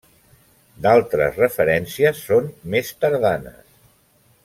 D'altres referències són més tardanes.